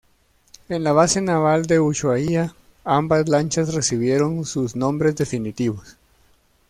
En la base naval de Ushuaia, ambas lanchas recibieron sus nombres definitivos.